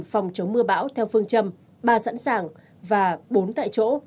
phòng chống mưa bão theo phương châm ba sẵn sàng và bốn tại chỗ